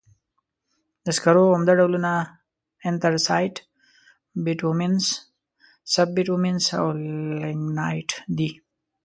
د سکرو عمده ډولونه انترسایت، بټومینس، سب بټومینس او لېګنایټ دي.